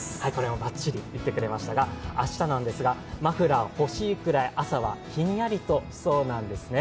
バッチリ言ってくれましたが、明日ですが、マフラー欲しいくらい朝はひんやりとしそうなんですね。